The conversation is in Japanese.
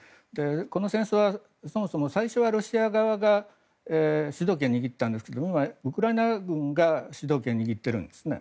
この戦争はそもそも最初はロシア側が主導権を握っていたんですが今はウクライナ軍が主導権を握っているんですね。